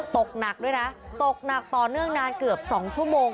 ตกหนักด้วยนะตกหนักต่อเนื่องนานเกือบ๒ชั่วโมง